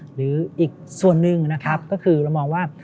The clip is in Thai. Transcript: หรืออีกส่วนหนึ่งนะครับก็คือเรามองว่า